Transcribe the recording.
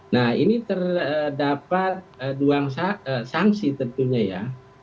nah ini terdapat dua sanksi tentunya ya